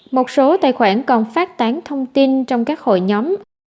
một số tài khoản còn phát tán thông tin trong các hội nhóm